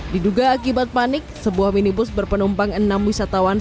diduga akibat panik sebuah minibus berpenumpang enam wisatawan